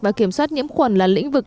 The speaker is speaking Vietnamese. và kiểm soát nhiễm khuẩn là lĩnh vực